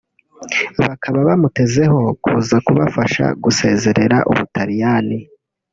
bakaba bamutezeho kuza kubafasha guzezerera Ubutaliyani